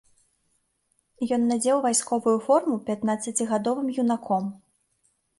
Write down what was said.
Ён надзеў вайсковую форму пятнаццацігадовым юнаком.